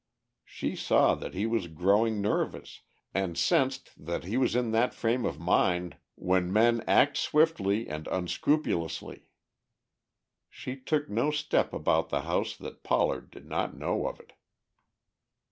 She saw that he was growing nervous and sensed that he was in that frame of mind when men act swiftly and unscrupulously. She took no step about the house that Pollard did not know of it.